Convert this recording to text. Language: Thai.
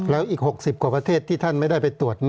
แล้วอีก๖๐กว่าประเทศที่ท่านไม่ได้ไปตรวจ